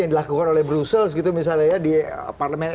yang dilakukan oleh brussels misalnya ya